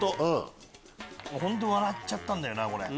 本当笑っちゃったんだよなこれ。